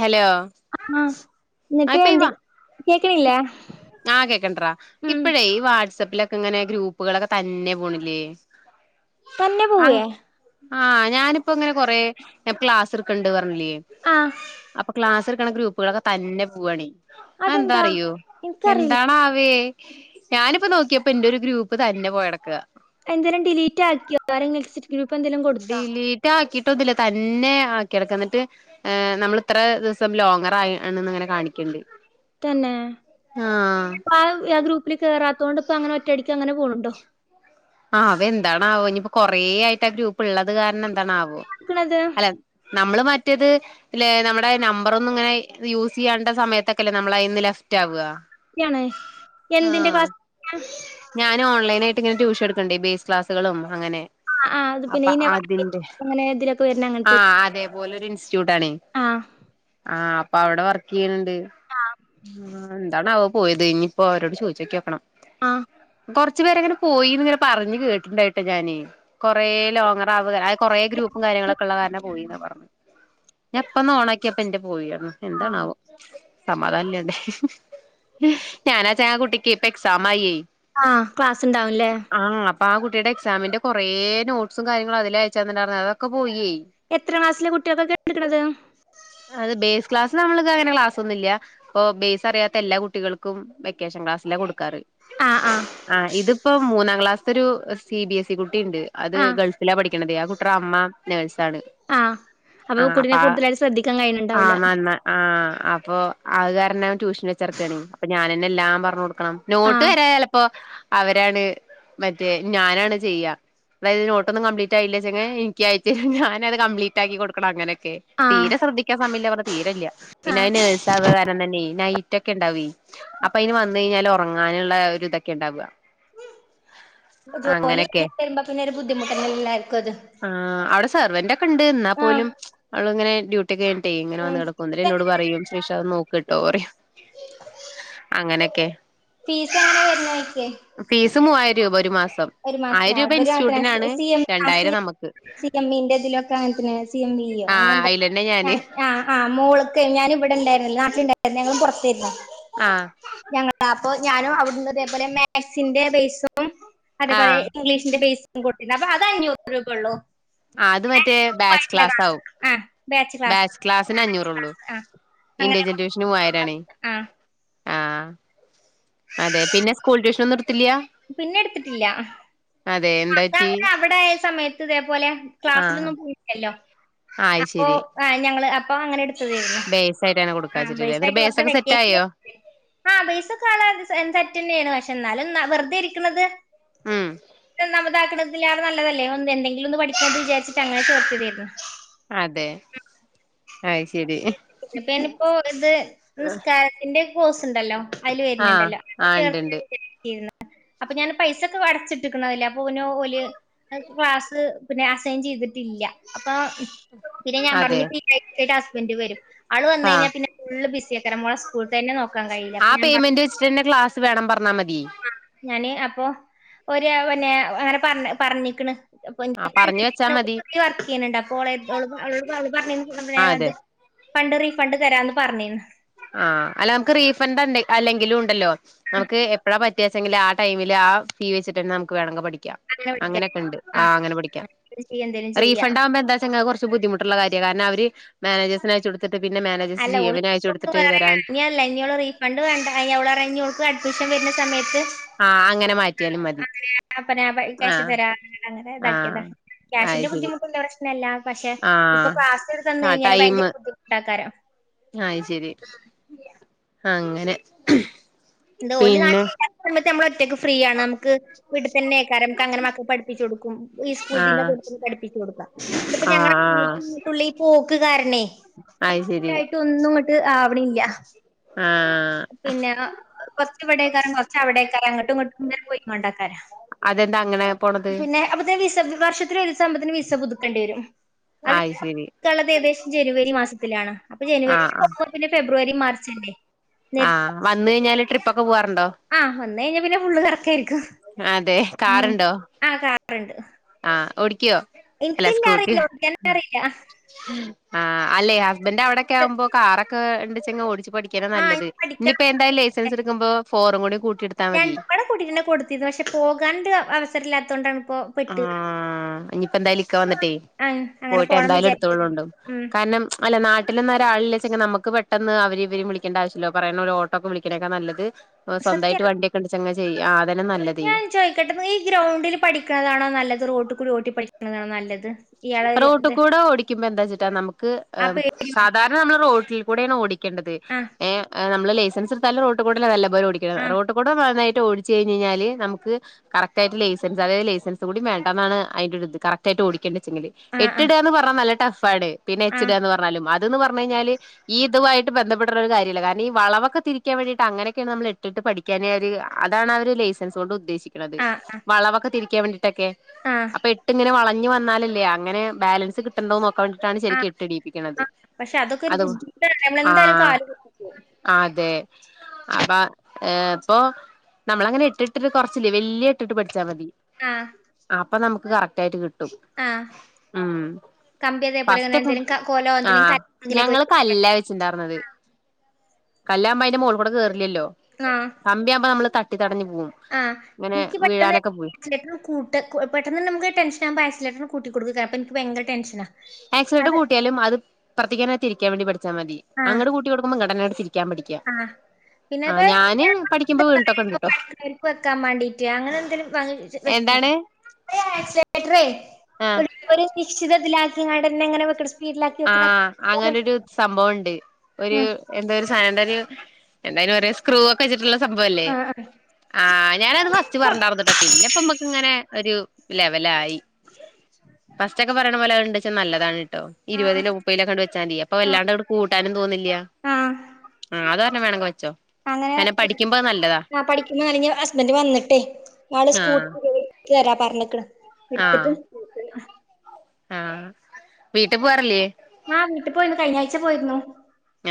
Hello ആ എന്നിട്ട് എന്ത് കേക്കണില്ലേ ആഹ കേക്കണ്ടറാ ഉം ഇപ്പഴേ ഈ വാട്സ് ആപ്പ് ലക്കെ ഇങ്ങനെ ഗ്രൂപ്പുകളൊക്കെ തന്നെ പോണില്ലേ തന്നെ പോവേ ആഹ ഞാനിപ്പോ ഇങ്ങനെ കൊറെ ക്ലാസ്ട്ക്കണ്ട് പറഞ്ഞില്ലേ ആഹ് അപ്പൊ ക്ലാസ് എടുക്കണ ഗ്രൂപ്പുകളൊക്കെ തന്നെ പോവാണേ അതെന്താ എനിക്കറിയില്ല എന്താണ ആവേ ഞാനിപ്പോ നോക്കിയപ്പോ എന്റെ ഒരു ഗ്രൂപ്പ് തന്നെ പോയടക്ക എന്തേരം ഡിലീറ്റ് ആക്കിയോ ആരെങ്കിലും എക്സിറ്റ് ഗ്രൂപ്പ് എന്തേലും കൊടുത്താ ഡിലീറ്റ് ആക്കിട്ടൊന്നല്ല തന്നെ ആക്കിടക്കിട്ട് നമ്മള ഇത്ര ദിവസം ലോങ്ങർ ആങ്ങനെ തന്നെ ആ പ്പാ അ ഗ്രൂപ്പ്‌ പ്പില് കേറാത്തൊണ്ട്പ്പൊ അങ്ങനെ ഒറ്റയടിക്ക് അങ്ങനെ പോണുന്നുണ്ടോ ആഹ് അവ എന്താണാവോ ഇനിയിപ്പോ കൊറേ ആയിട്ട് ആ ഗ്രൂപ്പ് ഇള്ളത് കാരണം ന്താണാവോ ക്കണത് അല്ല നമ്മള് മാറ്റി മറ്റതു നമ്മുടെ നമ്പറന്നും ഇങ്ങനെ യൂസ് ചെയ്യേണ്ട സമയത്തൊക്കെല്ലേ നമ്മളയിന്ന് ലെഫ്റ്റ് ആവ ാണ് എന്തിന്റെ പാസ്സ്‌വേർഡ്‌ ഞാന് ഓൺലൈൻ ആയ്ട്ട് ഇങ്ങനെ ട്യൂഷൻ എടുക്കണ്ടേ ബേസ് ക്ലാസുകളും അങ്ങനെ ആഹ് ആഹ് അത് പിന്നെ അപ്പൊ ഈ അതിന്റെ അങ്ങനെ ഇതിലൊക്കെ വരുന്ന ആ അതേപോലെ ഒരു ഇൻസ്റ്റിറ്റ്യൂട് ആണേ ആ ആഹ് അപ്പ അവിടെ വർക്ക് ചെയ്യണണ്ട് ആഹ് എന്താണ് അവ പോയത് ഇനിയിപ്പോ അവരോട് ചോദിച്ചോക്കിക്കണം ആ കൊർച്ചു പേരെങ്ങനെ പോയിന്ന് ഇങ്ങനെ പറഞ്ഞ് കേട്ടിുണ്ടായിട്ടോ ഞാന് കൊറേ ലോങ്ങറ അവ കൊറേ ഗ്രൂപ്പും കാര്യങ്ങളൊക്കെ ഉള്ള കാരണം പോയിന്ന പറഞ്ഞു ഞാൻ പ്പന്ന് ഓണ ആാക്കിയപ്പ ഇന്റെ പോയാണും ആഹ് എന്താണാവോ സമാധാനല്ലണ്ടേ ഞാനാ ച ആ കുട്ടിക്ക് ഇപ്പ എക്സാം ആയേ. ആഹ ക്ലാസ്സ് ഉണ്ടാവുംല്ലേ ആഹ് അപ്പൊ ആ കുട്ടിയുടെ എക്സാമിന്റെ കൊറെേ നോട്സും കാര്യങ്ങളും അതില അയച്ചന്നിണ്ടായിരുന്നു അതൊക്കെ പോയേ എത്ര ക്ലാസ്സിലെ കുട്ടികൾക്കൊക്കെ എടുക്കണത് അത് ബേസ് ക്ലാസ് നമ്മൾ അങ്ങനെ ക്ലാസ് ഒന്നുല്ല അപ്പൊ ബേസ് അറിയാത്ത എല്ലാ കുട്ടികൾക്കും വെക്കേഷൻ ക്ലാസ്സ്‌ ലാ കൊടുക്കാറ് ആഹ് ആഹ് ഇത് പ്പൊ മൂന്നാം ക്ലാസ്സ്ത്തൊരു സി ബി എസ് ഇ കുട്ടി കുട്ടിണ്ട്. അത് ആഹ് ഗൾഫില പഠിക്കണതേ ആ കുട്ടിയുടെ അമ്മ നേഴ്സ് ആഹ അപ്പൊ കുട്ടിനെ കൂടുതലായിട്ട് ശ്രദ്ധിക്കാൻ ആ കഴിഞ്ഞുണ്ടാവൂല്ല നന്ന ആഹ് അപ്പൊ അത്കാരണം ട്യൂഷൻ വെച്ചറക്കണ അപ്പൊ ഞാനെന്നെ എല്ലാം പറഞ്ഞ് കൊടുക്കണം നോട്ട് ആഹ് വരെ അപ്പൊ അവരാണ് മറ്റേ ഞാനാണ് ചെയ്യാ അതായത് നോട്ടൊന്നും കപ്ലീറ്റ് ആയില്ല ചെെ എനക്ക് ആയച്ചിട് അത് കമ്പ്ലീറ്റ് ആക്കി കൊടുക്കണം അങ്ങനെയൊക്കെ ആഹ് തീരെ ശ്രദ്ധിക്കാ സമില്ല തീരല്ല പിന്നെ അ ആഹ് നേഴ്സ ആക കാരണം തന്നെ അങ്ങനെയുള്ള ഒരു ഇതൊക്കെ ഉണ്ടാവ ജോലി വരുമ്പോ പിന്നെ ഒരു ബുദ്ധിമുട്ടന്നല്ലർക്കും അത് സർവെന്റ ഒക്കെ ഇണ്ട് ന്നാ ആഹ് പോലും അവള ഇങ്ങനെ മിട്ടേ ഇങ്ങനെ ഉം വന്ന് കിടക്കും എന്നോട് പറയും ശ്രീഷാ നോക്ക് ട്ടോ അങ്ങനെയൊക്കെ വുന്നായിക്കേ ഫീസ് മൂവായിരം രൂപ ഒരു മാസം ഒരു മാസത്തിന ആയിരം രൂപ അവ അന ഇൻസ്റ്റിറ്റ്യൂട്ടിനാണ് സി എം രണ്ടായിരം നമുക്ക് സി എംന്റെതിലൊക്കെ അങ്ങനനെ സി എം ന ഞ ആഹ് അയിലന്നെ ഞാന് [unintelligible] ഇവിടെണ്ടായിുന്നില്ല നാിലുണ്ടായിരരുന്നു ഞങ്ങളും പുറത്തരരുന്നു ആഹ് അപ്പ ഞാനും അവിടു അതേപോലെ മാസിന്റെ ബേസും അതേപോലെ ആഹ് ഇംഗ്ലീഷിന്റെ ബേസ കൊട്ടന അപ്പ അത് അഞ്ഞൂറ് രൂപള്ളു ആ അത് മറ്റേ ബാച്ച് ക്ലാസ് ആാവും ആ ക്ലാസ് ബാച്ച് ക്ലാസ്സിന് ആ ബാച്ച് അഞ്ഞൂറള്ളൂ ക്ലാസ് ആ അങ്ങനെ ഇന്ത്യൻ ജലിവിഷന് മൂവായിരംണ ആ ആഹ അതെ പിന്നെ സ്കൂൾ ട്യൂഷന ഒന്നും നിർത്തില്ലയ പിന്നെ എടുത്തിട്ടില്ല അതെ എന്താ പറ്റി അതങ്ങെ അവിടെ ആയ സമയത്ത് ഇതേപോലെ ആഹ് ക്ലാസ്സിലൊന്നും പോയിട്ടല്ലോ ആഹ് അപ്പൊ അയ്ശരി ആ് ഞങ്ങള് അപ്പൊ അങ്ങനെ എടു ബേസ് ആയിട്ടാണ് ആഹ കൊടുക്കാച്ചിട്ടില്ലേ എന്നിട്ട് ബൈസായിട്ട് വർ ബേസൊക്കെ സെറ്റ് വക്കേഷ ആയോ ആഹ ബൈസക്കള തറ്റ തന്നെയാണ് പക്ഷെ എന്നാലും വെറുതെ ഇരിക്കണുന്നത് ആഹ നമ്മതാക്കണതിലാണ് നല്ലേന്ന് എന്തെങ്കിലും ഒന്ന് പഠിക്കണ എന്ന് വിചാരിച്ചട്ട് അങ്ങന ചർ ചെയ്തായിരുന്നു അതെ അത് ശരി പ്പ ഇനിപ്പോ ഇത് നിസ്കാരത്തിന്റെ പോസ് ഉണ്ടല്ലോ അതില് ആഹ് വരുന്നുണ്ടല്ലോ അത് ആ ഇണ്ട്ണ്ട് ചേർ അപ്പൊ ഞാൻ പൈസൊക്കെ അടച്ചിട്ടിക്കുന്നതല്ലേ അപ്പൊനോല് ക്ലാസ് പിന്നെ അസൈൻ ചെയ്തിട്ടില്ല അപ്പ പിന്നെ ഞാൻ അതെ പറഞ്ഞ പി ആട്ട് ഹസ്ബൻഡ് വരും അവള് വന്ന ആഹ് കഴിഞ്ഞാൽ പിന്നെ ഫുള് ബിസി ആ ഇക്കരമുള സ്കൂൾ തന്നെ നോക്കാൻ കഴിയില്ല ആ അപ്പൊ ഞാൻ പറഞ്ഞു പേയ്മെന്റ് വെച്ചിട്ട്ന്നെ ക്ലാസ് വേണം പറഞ്ഞാ മതി ഞാന് അപ്പൊ ഒരു പിന്നെ അങ്ങനെ പറഞ്ഞ പറഞ്ഞിക്കണ് അപ്പൊഞ ആ പറഞ്ഞു വെച്ചാ മതി വർക്ക് ചെയ്യുന്നുണ്ട് അപ്പൊത് ആ അതെ ഫണ്ട് റീഫണ്ട് തരാന്ന് പറഞ്ഞേു ആഹ അല്ല നമുക്ക് റീഫണ്ട് അല്ലെങ്കിലും ഉണ്ടല്ലോ നമുക്ക് എപ്പഴാ പറ്റ വത്യാസെങ്കിൽ ആ ൈമില് ആ ഫീ വെച്ചട്ട തന്നെ നമക്ക് വേമങ്ക പിക്കും അങ്ങനെ വിളിക്കാൻ അങ്ങനെയൊക്കെ ഉണ്ട് ആ അങ്ങനെ പഠിക്കാം ചെയ്യ എന്തേലും ചെയ്യാ. റീഫണ്ട് ആകുമ്പോ എന്താ കുറച്ച് ബുദ്ധിമുട്ടുള്ള കാര്യ ാരണം അവര് മാനേജഴ്ിന അയച്ചടുട്ട് പിെ മാനേഴസ് അല്ല ജി ഓള് എംിനെയച്ച കൊടു ഓൾക്ക് വേറെ ഇനി അല്ല ഇനിോൾ റീഫണ്ട് വണ്ട അവള പറ ഇോൾക്ക് അഡ്മിഷൻ വരുന്ന സമയത്ത് ആഹ അങ്ങനെ മാറ്റിയാലും മതി ആെ ക്യാ് ആഹ് തരാ അങ്ങനെ ഇതാക്കിയതാ ആഹ് അത് ക്യാഷിന്റെ ശരി ബുദ്ധിമുട്ടുള്ള പ്രശ്നമല്ല പക്ഷെ ഇപ്പൊ ആഹ് ക്ലാസ് എടു തന്ന കഴിഞ്ഞാല് ടൈമ് ഭയങ്കര ബുദ്ധിമുട്ടാക്കക്കാരോ ആ ശരി അങ്ങനെ ന്തോ പിന്നെ നമ്മള ഒറ്റ ഫ്രീ ആണ് നമുക്ക്ീട്ട തന്നെ കേക്കാറ നമുക്ക് അങ്ങനെ മക്കെ പഠിപ്പിച്ചുടുക്ക സ്കൂളത്തിന്റെ ആഹ് കൊ പഠപ്പിച്ചച്ച് കൊടുക്കാം പ്പ ആഹ് ആഹ് ഞങ്ങീട്ടുള്ളിൽ പോ നക്ക കാരണേ അത് ശരി കറക്ായിട്ട ഒന്നും ഇങ്ങോട്ട് ആവണല്ല ആഹ് പിന്നെ കൊറച്ച ഇവിടക്കാറും കൊറച്ച അവിടക്കാരൊംങ്ങട്ട ഒ പോയിണ്ടക്കാര അതെന്താ അങ്ങനെ പോണത് പിന്നെ അ വർഷത്തിന് ഒരു സംമ്പത്തിന് വിസ പുതുക്കേണ്ടി വരും ആയി ശരി കളത് ഏകദേശം ജനുവരി മാസത്തിലാണ് അപ്പൊ ജനുവരി ആഹ് പോകുമ്പോൾ പിന്നെ ഫെബ്രുവരി മാർച്ച് അല്ലേ നേരത്തെ ആഹ വന്ന കഴിഞ്ഞാല് ട്രിപ്പ ഒക്കെ പോവാറുണ്ടോ വന്ന കഴിഞ്ഞ പിന്നെ ഫുള്ള് കറക്ക ആയിരിക്കും അതെ ഉ കാറുണ്ടോ ആ കാറുണ്ട് ആഹ് ഓടിക്കോ അല്ല എനിക്കില്ല സ്കൂട്ടി അറിയില്ല ഓടിക്കാനേ അറിയില്ല ആ അല്ലെ ഹസ്ബൻഡ് അവിടെൊക്കെ ആവുമ്പോ കാറൊക്കെ എണ്ട ഓിച്ചച്ച് പഠിക്കാന ആ ഞാൻ നല്ലത് പഠിക്കണം ഇനിയിപ്പൊ എന്തായും ലൈസൻസ് എടുക്കുമോ ഫോറും കൂടി കൂട്ട രണ്ടപളം കുടിക്കെ കൊടുത്തിത് പക്ഷെ പോകാണ്ട് അവസരം ഇല്ലാത്ത കൊണ്ടാണ് ആഹ ഇനിയിപ്പ എന്തായാല ഇിക്കാ വന്നിട്ടേ ആ, അങ്ങനെ പോയിട്ട് പോണം എന്തായാലും വിചാരിച്ചു എടുത്തള്ളണ്ടണ്ട് ഉം കാരണം അല്ല നാട്ട പെട്ട നിന്ന ഒരാളില്ലല്ലെങ്കെ നമുക്ക് പെട്ടെന്ന് അവരി ഇവര വിളിക്കണ്ട ആശ്യമല്ല പറയുന്ന ഒരു ഓട്ടോ ഒക്കെ വിളിക്കണൊക്കെ നല്ലത് സ്വന്തമായിട്ട് സത്യാണ് വണ്ടിൊക്കെണ്ടിച്ചങ്ങാ ചെയ്യ അതന്നെ നല്ലതേ ഞാൻ ചോദിക്കട്ടെ ഈ ഗ്രൗണ്ടിൽ പഠിക്കണതാണോ നല്ലത് റോട്ട് കൂടി ഓട്ടി പഠിക്കണതാണോ നല്ലത് ഇയാളെ ഒരു റോട്ടിൽ ഇത് കൂടെ ഓടിക്കുമ്പോ എന്താ വച്ചിട്ടാ നമുക്ക് ആ ് പേ സാധാരണ നമ്മൾ റോട്ടിൽ കൂടെയ ഓടിക്ക ണ്ടത് ആ നമ്മള് ലൈസൻസ് എടുത്താല റോട്ട് കൂടല്ലേ നല്ലപോലെ ഓടിക്കണം ആ റോട്ട് കൂടെ ഓടിച്ച് കഴിഞായ്ഞ്ഞാല് നമു കറക് ആയിട്ട് ലൈസൻസ് അതായ ലൈസൻസ് കൂടി വേണ്ടന്നാണ് അതിന്റെ ഇത് കറക് ആയിട്ട് ഓടേണ്ടത് ആ ആ എട്ടിടാന്ന് പറഞ്ഞ നല്ല ടഫ് ആടെ പിന്നെ ആ എച്ചിട എന്ന് പറഞ്ഞാലും അത്ന്ന് പറഞ്ഞു കഴിഞ്ഞാല് ഇതുവായിട്ട് ബന്ധപ്പെട്ട ഒരു കാര്യമല്ല കാരണം ഈ വളവൊക്കെ തിരിക്കാൻ വേണ്ടിട്ട് അങ്ങനൊക്കെയാണ് നമ്മ എട്ട്ട്ട് പഠിക്കാന അതാണ് അവ ലൈസെൻസോട് ഉദ്ദേശിക്കുന്നത് ആ വളവൊക്കെ തിരിക്കാൻ വേണ്ടിട്ടക്കെ ആ അപ്പൊ എട്ടിങ്ങനെ വളഞ്ഞു വന്നാല അല്ല അങ്ങനെ ബാലൻസ് കിട്ടണ്ടൊക്കെ കൊണ്ടിട്ടാണ് ആ ശരിക്കും ഇട്ടിടിപ്പിക്കണത് ആ പക്ഷെ അതൊക്കെ ഒരു അത് ബുദ്ധിമുട്ടാണ് ആ നമ്മളെന്തായാലും കാല് കുത്തി പോകും അതെ അപ്പൊ ഏ ഇപ്പൊ നമ്മളങ്ങനെ ഇട്ടിട്ടി് കൊറച്ചില്ലേ വല്യ ഇട്ടിട്ട് പഠിച്ചാ മതി ആ അപ്പൊ നമുക്ക് കറക്റ്റ് ആയിട്ട് കിട്ടും ആ ഉം കമ്പി അതേപോലെ ഇങ്ങനെ ഫസ്റ്റ്ക്കെ എന്തെങ്കിലും ക- കോലോ എന്തെങ്കിലും ആഹ കല്ലെങ്കിലൊക്കെ ഞങ്ങ വെച്ചിട്ട് കല്ല വെച്ചുണ്ടായിർന്നത് കല്ലാവ് മ്പോ അതിന്റെ മോൾ കൂടെ കേയറില്ലല്ലോ കമ്പിയാകുമ്പോ നമ്മള് തട്ടി തടഞ്ഞു പോവും ആഹ ഇങ്ങനെ എനിക്ക് പെട്ടന് വീഴാനൊക്കെ പോയി ഐറ്റ കൂട്ട് പെട്ട നമുക്ക് ടെൻഷൻ ആകുമ്പോ ഐസലേറ്റർ കൂട്ടി കൊടുക്ക അപ്പ ന്ക്ക് ഭയങ്കര ടെൻ ഷൻ ആക്സൈഡ് കൂട്ടിയാലും അത് ഇപ്പർത്തിക്കന്നെ തിരിക്കാൻ വേണ്ടി പഠിച്ചാൽ മതി അങ്ങടെ കൂട്ടി കൊടുക്ക്പോം ടന ആഹ പിന്നെ ഇപ്പക്ക് ഞാന് പഠിക്കുമ്പോ വീണിട്ടൊക്കെ ഇണ്ട്ട്ടോ [unintelligible] വെക്കാൻ വേണ്ടീട്ട് അങ്ങനെ എന്തെങ്കലും ണ് [unintelligible] നിശ്ചിതത്തിലാക്കിണ്ടന്നെങ്ങനെ ആഹ അങ്ങനെരു സംഭവംണ്ട് ഒരു ഉം എന്താ എന്തായാലും ഒരു സ്ക്രൂ ഒക്കെച്ചിട്ടുള്ള സംഭവല്ലേ ആഹ് ആഹ് ആ ഞാനത് ഫസ്റ്റ് പറഞ്ഞർന്നട്ടാ പിന്നെപ്പ മ്മക്ക് ഇങ്ങനെ ഒരു ലെവലായി ഫസ്റ്റ്ക്കെ പറയണ പോലെ അണ്ടച്ചാ നല്ലതാണ് കേട്ടോ ആഹ് ഇരുപതിലോ മുപ്പലോക്കെണ്ട് വെച്ചാ അപ്പൊ ആഹ് വല്ലാണ്ട് ഇവിടെ കൂട്ടാനും തോന്നില്ല ആഹ് ആഹ അത് പറഞ്ഞണം വേണെങ്കോ അങ്ങനെ പഠിക്കുമ്പോ നല്ല ആ പഠിക്കുമ്പോ ആ ഞ്ഞ ഹസ്ബന്റ് വന്നിട്ടെ സ്കൂ ആ തരാ പറഞ്ഞിക്കണ എടുത്തിട്ട ആഹ വീട്ടിൽ പോവാറില്ലേ ആ വീട്ട് പോയിരുന്നു കഴിഞ്ഞ ആഴ്ച പോയിരുന്നു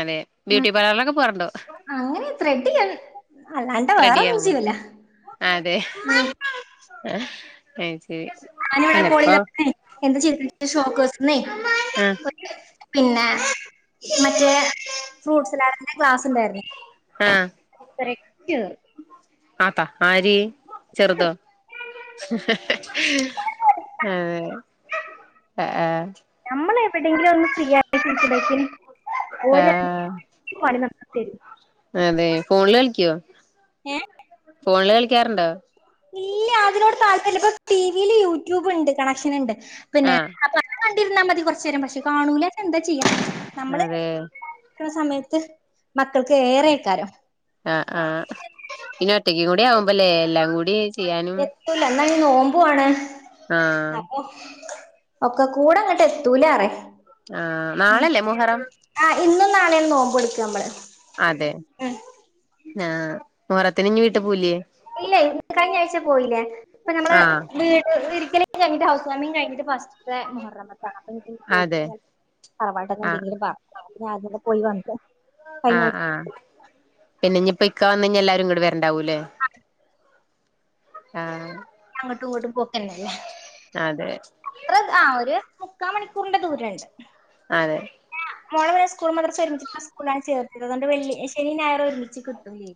അതെ ഉം ബ്യൂട്ടി പാർലറിലൊക്കെ പോറണ്ടോ അല്ലാണ്ടാ വേറെന്നും ചെയീല്ല അതെ അത് ശരി ഞാന ഇവിടെ അല്ല ഇപ്പൊ കോളെ എന്റെ ചിത്ര ഷോക്ക്സിന്നെ ആഹ് പിന്നെ മറ്റേ ഫ്രൂട്ട്സ്ല്ലാടന്റെ ക്ലാസ് ഉണ്ടായിരുന്നു കറക്റ്റ്. ആത്ത ആരി ചെറുത അതേ ആ ആഹ എടെങ്കിലും ഒന്ന് ഫ്രീ ആയിട്ട്ടക്കും ഓര ആഹ് പണി ന തരും അതെ ഫോണില് കളിക്കുവോ? ഏ ഫോണില് കളിക്കാറുണ്ടോ ഇല്ല അതിനോട് താല്പര്യാ ല്ല ഇപ്പൊ ടി വിൽ യൂട്യൂബ് ഉണ്ട് കണക്ഷൻ ഉണ്ട് പിന്നെ ആഹ് തിരന്നാൽ മതി കുറച്ചു നേരം പക്ഷെ കാണൂലച്ച ന്ത ചെയ്യാം അതെ സമയത്ത് മക്കൾക്ക് ഏറെ കാരം ആഹ ആഹ ഇനി ഒറ്റക്കും കൂടി ആവുമ്പല്ലേ എല്ലാം കൂടി ചെയ്യാനും ന്നാണെ നോമ്പ് ആണ് ആഹ് അപ്പൊ ഒക്കെ കൂടെ അങ്ങോട്ട് എത്തൂലാറേ ആഹ നാളല്ലേ മുഹറം ാണന്ന് നോുമ്പോ എടുക്കാം നമ്മള് അതെ ആഹ മുറത്തിന് ഇഞ്ഞ വീട്ട് പോൂലയേ ഇല്ല ഇ കഴിഞ്ഞ ആഴ്ച പോയില്ലേ ഇപ്പൊ നമ്മള് ആഹ് വീട് ഒരിക്കല കി് ഹൗസ് വാമി കഴിട്ട്സ്റ്റ് മുഹറ ആപ്പ ഇ അതെ പോയിറവായിട്ട്ക്കെ ആഹ് എന്തെങ്കിലും പറ ഞ ആദ്യല്ലെ പോയി വന്ന ആഹ് ആഹ് പിന്നെ ഇനി ഇപ്പ ഇക്കാ വന്ന ക എല്ലാരും ഇങ്ങോടെ വരണ്ടാവൂല്ലേ ആഹ അങ്ങോട്ട് ഇങ്ങോട്ട് പോക്കന്നല്ലേ അതെ അത്ര ആ ഒരു മുക്കാ മണിക്കൂറിന്റെ ദൂരുണ്ട് അതെ മോളമല സ്കൂൾ മാത്രം ഒരുമിച്ചിട്ടുള്ള സ്കൂളിലാണ് ചേർത്തത് അതുകൊണ്ട് വി ശ നായർ ഒരുമിച്ച് കിട്ടൂല്ലേ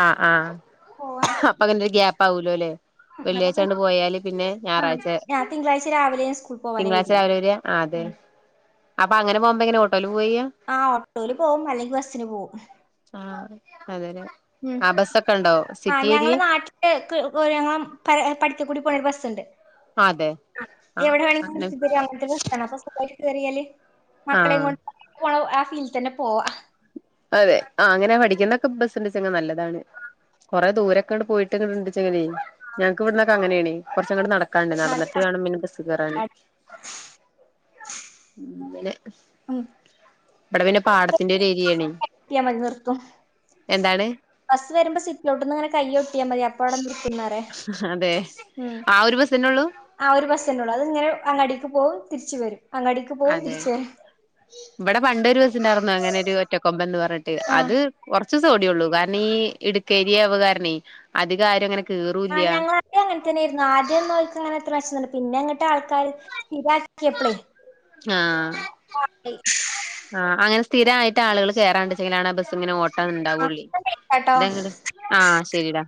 ആഹ് ആഹ് അപ്പൊ അങ്ങനെ ഒരു ഗ്യാപ്പ് ആാവൂലോ അല്ലെ വെള്ളിയാഴ്ച അപ്പൊ കൊണ്ട് പോയാല് പിന്നെ ആ ഞായറാഴ്ച ഞാൻ തിങ്കളാഴ്ച രാവിലെ ഞാൻ സ്കൂളിൽ പോവാനേ തിങ്കളാഴ്ച വരുന്നു രാവിലെ വര് ആ അതെ ഉം. അപ്പൊ അങ്ങനെ പോകുമ്പ എങ്ങനെ ഓട്ടോ ആ ഓട്ടോൽ പോവും അല്ലെങ്കിൽ ബസിന് പോകവും അതെ ഉം ആ ഞങ്ങള നാട്ടില് ഞങ്ങ പ പഠ ൂടി പോർവശുണ്ട് അതെ ആഹ് എവിടെ അങ്ങനെ വേണമങ്ക നി അങ്ങത്തെ അപ്പൊറിയല്ലേ മക്കളെയ ആഹ് കൊണ്ട് ആ ഫീൽഡിൽ തന്നെ പോവാ അതെ ആ അങ്ങനെ പഠിക്കുന്നൊക്കെ ബസ്ണ്ടച്ചങ് നല്ലതാണ് കൊറെ ദൂരൊക്കെ അ പോയിട്ട്ങ്ങ ഇണ്ടെങ്ങനെ ഞങ്ങക്ക് ഇവിടുന്നൊക്കെ അങ്ങനെയണ ങ്ങട്ട നടക്കാണ്ട് നടന്നിട്ട് നടക്കാൻ വേണന്നെ ബസ് കറാന് അെ ഉ ഇവിടെ പിന്നെ പാടത്തിന്റെ ഒരു ഏരിയണ ട്ടിയ മതി നിർത്തും എന്താണ് ബസ് വരുമ്പോ സിറ്റിലോട്ട്ന്ന്ങ്ങനെ കയ്യ ഒട്ടിയൽ മതി അപ്പോ അവിടെ നി അതെ ആ ഒരു ബസ്സന്നെള്ളൂ പോകവും തിരിച്ചു വരും അങ്ങാടിക്ക് പോകവും അതെ തിരിച്ചു വരും ഇവിടെ പണ്ടരു ബിവസണ്ടായിരുന്നുു അങ്ങനെ ഒരു ഒറ്റക്കൊമ്പ എന്ന് പറഞ്ഞിട്ട് ആ അത് കൊറ ഓടിയള്ളൂ കാരണം ഈ ഇടുക്കേരി അവവകാരണേ അധികാര്യം അങ്ങനെ ആ കേറൂല്ല ഞ അ അങ്ങനെന്നെയായിരുന്നു ആദ്യം നോയിക്കങ്ങനെത്ര വശംല്ല പിന്നെട്ട് ആൾക്കാർ സ്ഥിരാക്കിയപ്പഴേ ആഹ് സ്ഥിരമായിട്ട് ആുകൾ കയറണ്ട്െങ്ങന ബസ് ഇങ്ങനെ ട്ടോ ഇണ്ടാവ പുള്ളി കേട്ടോ ഇത ആഹ ശരിടാ